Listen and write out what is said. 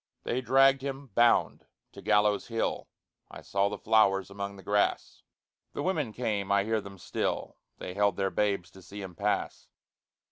They dragged him, bound, to Gallows Hill (I saw the flowers among the grass); The women came, I hear them still, They held their babes to see him pass.